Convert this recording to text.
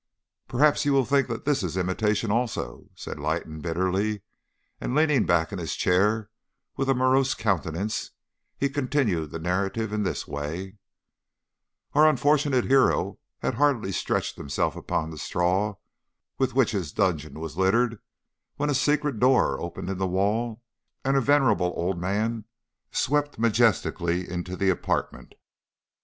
"Perhaps you will think that this is an imitation also," said Lytton bitterly, and leaning back in his chair with a morose countenance, he continued the narrative in this way: "Our unfortunate hero had hardly stretched himself upon the straw with which his dungeon was littered, when a secret door opened in the wall and a venerable old man swept majestically into the apartment.